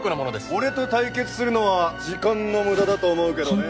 俺と対決するのは時間の無駄だと思うけどねえ。